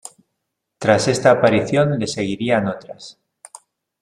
Tras esta aparición le seguirían otras.